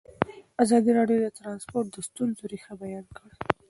ازادي راډیو د ترانسپورټ د ستونزو رېښه بیان کړې.